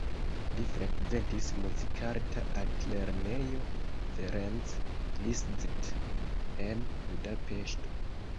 Li frekventis Muzikarta Altlernejo Ferenc Liszt en Budapeŝto.